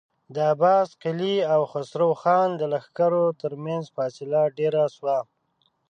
د عباس قلي او خسرو خان د لښکرو تر مينځ فاصله ډېره شوه.